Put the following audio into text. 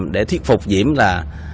để thuyết phục diễm là